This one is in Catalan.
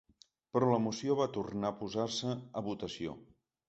Però la moció va tornar a posar-se a votació.